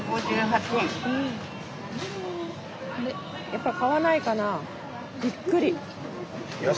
やっぱ買わないかなびっくり。